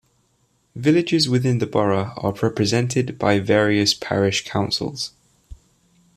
Villages within the borough are represented by various parish councils.